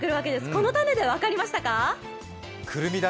この種で分かりましたか？